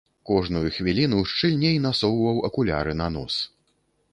Кожную хвіліну шчыльней насоўваў акуляры на нос.